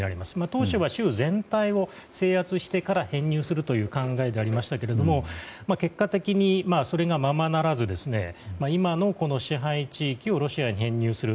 当初は州全体を制圧してから編入するという考えでしたが結果的に、それがままならず今の支配地域をロシアに編入する。